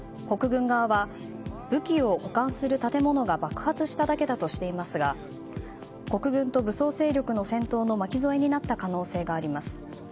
国軍側は武器を保管する建物が爆発しただけだとしていますが国軍と武装勢力の戦闘の巻き添えになった可能性があります。